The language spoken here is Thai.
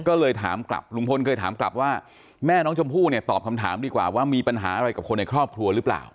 ก็เลยถามกลับลุงพลเคยถามกลับว่าแม่น้องชมพู่เนี่ยตอบคำถามดีกว่าว่ามีปัญหาอะไรกับคนในครอบครัวหรือเปล่า